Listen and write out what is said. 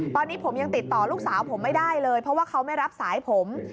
ตอนนี้ผมยังติดต่อลูกสาวผมไม่ได้เลยเพราะว่าเขาไม่รับสายผม